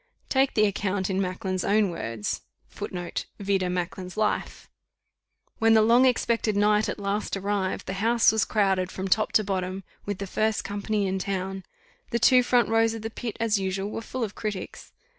Take the account in Macklin's own words. [Footnote: Vide Macklin's Life.] "When the long expected night at last arrived, the house was crowded from top to bottom, with the first company in town. The two front rows of the pit, as usual, were full of critics.